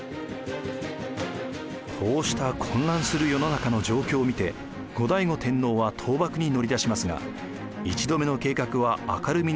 こうした混乱する世の中の状況を見て後醍醐天皇は倒幕に乗り出しますが１度目の計画は明るみに出て失敗。